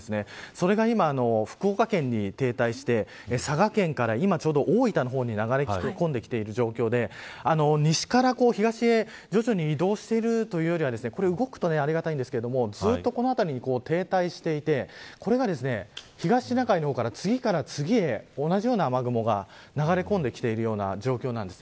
それが今、福岡県に停滞して佐賀県から今ちょうど大分の方に流れ込んできている状況で西から東へ徐々に移動しているというよりはこれが動くとありがたいんですけどずっとこの辺りに停滞していてこれが東シナ海の方から次から次へ同じような雨雲が流れ込んできているような状況なんです。